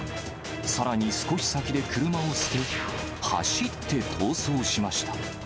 さらに少し先で車を捨て、走って逃走しました。